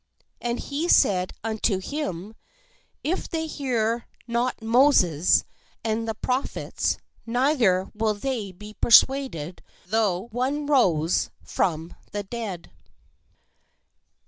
And he said unto him: " If they hear not Moses UB and the Prophets, neither will they be persuaded though one rose from the dead.